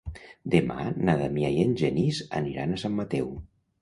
Demà na Damià i en Genís aniran a Sant Mateu.